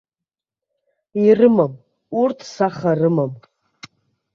Ирымам, урҭ саха рымам!